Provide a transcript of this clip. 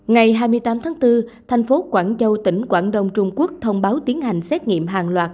ngày hai mươi tám tháng bốn thành phố quảng châu tỉnh quảng đông trung quốc thông báo tiến hành xét nghiệm hàng loạt